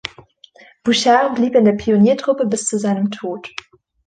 Bouchard blieb in der Pioniertruppe bis zu seinem Tod.